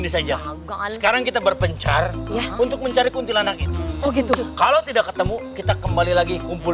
sekarang kita berpencar untuk mencari kuntilanak itu kalau tidak ketemu kita kembali lagi kumpul